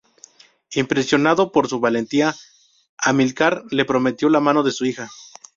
Impresionado por su valentía, Amílcar le prometió la mano de su hija.